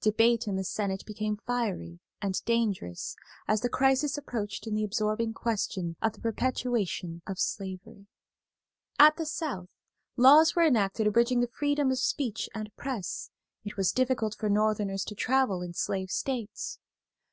Debate in the Senate became fiery and dangerous as the crisis approached in the absorbing question of the perpetuation of slavery. At the South laws were enacted abridging the freedom of speech and press; it was difficult for Northerners to travel in slave states.